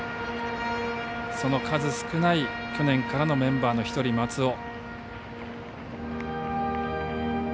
その数少ない去年からのメンバーの１人、松尾。